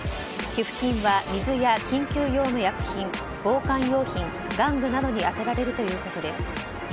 寄付金は水や緊急用の薬品防寒用品玩具などに充てられるということです。